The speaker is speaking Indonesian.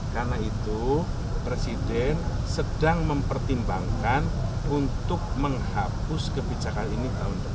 karena itu presiden sedang mempertimbangkan untuk menghapus kebijakan ini